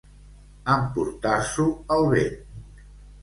Emportar-s'ho el vent.